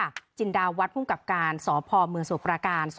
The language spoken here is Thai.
เหตุเติมรัฐค่ะจินดาวัฒน์ภูมิกับการสภเมืองสมุปราการ